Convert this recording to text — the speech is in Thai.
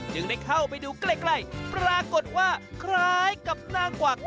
จึงได้เข้าไปดูใกล้ปรากฏว่าคล้ายกับนางกวัก